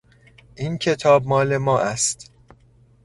این کتاب مال ما است.